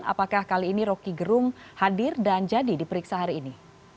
apakah kali ini rocky gerung hadir dan jadi diperiksa hari ini